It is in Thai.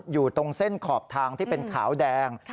อยู่ตรงเส้นขอบทางที่เป็นขาวแดง